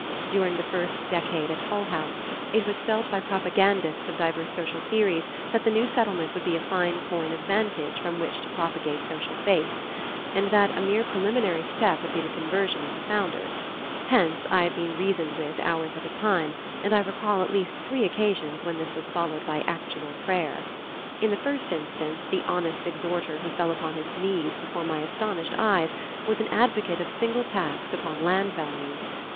During the first decade of Hull House, it was felt by propagandists of diverse social theories that the new Settlement would be a fine coign of vantage from which to propagate social faiths, and that a mere preliminary step would be the conversion of the founders; hence I have been reasoned with hours at a time, and I recall at least three occasions when this was followed by actual prayer. In the first instance, the honest exhorter who fell upon his knees before my astonished eyes, was an advocate of single tax upon land values.